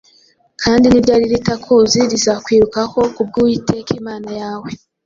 kandi n’iryari ritakuzi rizakwirukiraho kubwo Uwiteka Imana yawe,